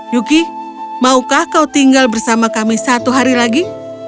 yuki maukah kau tinggal bersama kami satu hari lagi